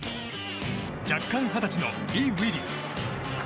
弱冠二十歳のイ・ウィリ。